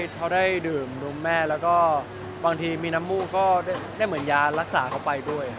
เขาได้ดื่มนมแม่แล้วก็บางทีมีน้ำมูกก็ได้เหมือนยารักษาเขาไปด้วย